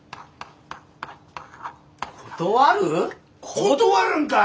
断るんかい！